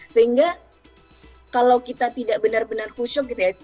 sehingga kalau kita tidak benar benar khusyuk gitu ya